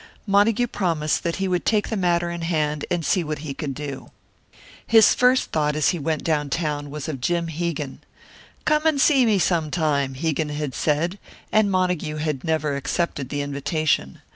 Montague promised that he would take the matter in hand and see what he could do. His first thought, as he went down town, was of Jim Hegan. "Come and see me sometime," Hegan had said, and Montague had never accepted the invitation.